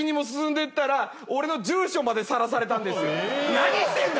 何してんだ？